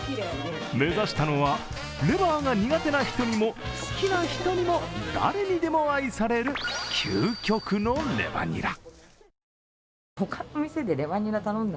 目指したのはレバーが苦手な人にも、好きな人にも誰にでも愛される究極のレバニラ。